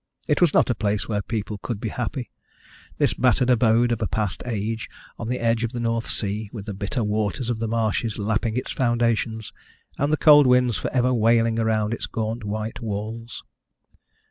It was not a place where people could be happy this battered abode of a past age on the edge of the North Sea, with the bitter waters of the marshes lapping its foundations, and the cold winds for ever wailing round its gaunt white walls.